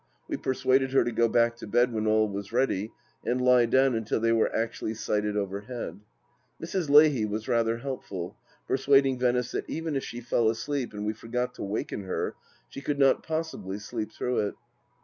We persuaded her to go back to bed when all was ready, and lie down until they were actually sighted over head. Mrs. Leahy was rather helpful, persuading Venice that even if she fell asleep and we forgot to waken her she could not possibly sleep through it.